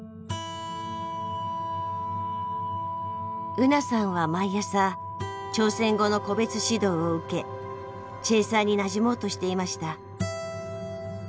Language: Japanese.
ウナさんは毎朝朝鮮語の個別指導を受けチェーサーになじもうとしていました。